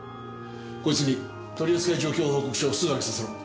こいつに取扱状況報告書をすぐあげさせろ。